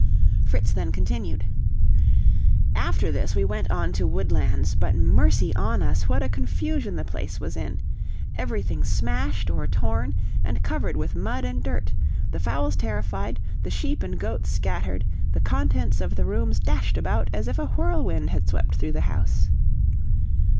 Fritz then continued: "After this we went on to Woodlands; but mercy on us! what a confusion the place was in! Everything smashed or torn, and covered with mud and dirt; the fowls terrified, the sheep and goats scattered, the contents of the rooms dashed about as if a whirlwind had swept through the house."